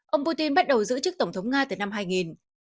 ông putin bắt đầu giữ chức tổng thống nga từ năm hai nghìn